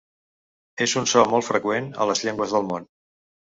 És un so molt freqüent a les llengües del món.